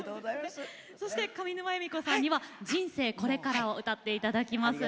そして上沼恵美子さんには「人生これから」を歌って頂きます。